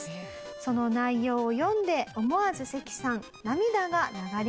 その内容を読んで思わずセキさん涙が流れました。